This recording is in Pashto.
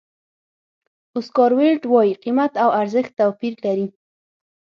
اوسکار ویلډ وایي قیمت او ارزښت توپیر لري.